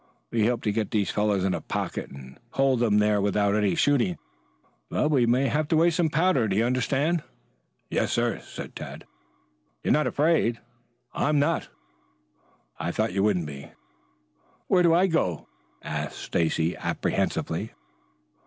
We hope to get those fellows in a pocket and hold them up without any shooting. But we may have to waste some powder. Do you understand?" "Yes, sir." "You are not afraid?" "I am not." "I thought you wouldn't be." "Where do I go?" asked Stacy apprehensively.